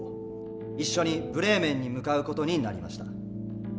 一緒にブレーメンに向かう事になりました。